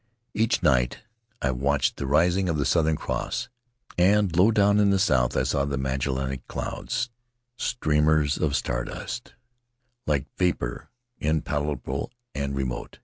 Each night I watched the rising of the Southern Cross, and low down in the south I saw the Magellanic clouds, streamers of star dust, like vapor impalpable and remote.